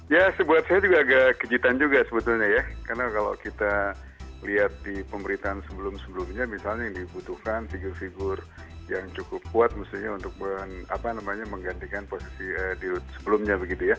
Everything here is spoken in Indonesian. ya sebuah saya juga agak kejitan juga sebetulnya ya karena kalau kita lihat di pemerintahan sebelum sebelumnya misalnya dibutuhkan figur figur yang cukup kuat untuk menggantikan posisi dirut sebelumnya